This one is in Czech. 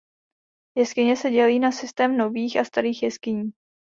Jeskyně se dělí na systém Nových a Starých jeskyní.